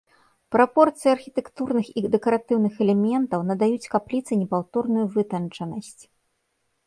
Прапорцыі архітэктурных і дэкаратыўных элементаў надаюць капліцы непаўторную вытанчанасць.